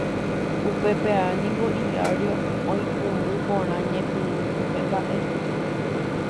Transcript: Upépe ae niko Hilario oikũmby porã ñepyrũ upe mba'e.